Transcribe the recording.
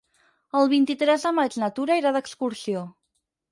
El vint-i-tres de maig na Tura irà d'excursió.